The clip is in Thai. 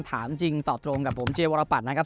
ถามจริงตอบตรงกับผมเจวรปัตรนะครับ